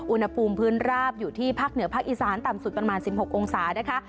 อุณหภูมิพื้นราบอยู่ที่ภาคเหนือภาคอีสานต่ำสุดประมาณ๑๖องศานะคะ